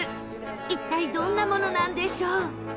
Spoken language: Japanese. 一体どんなものなんでしょう？